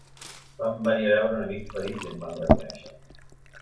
Van venir a veure un amic ferit i em van reconèixer